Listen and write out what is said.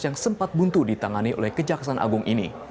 yang sempat buntu ditangani oleh kejaksaan agung ini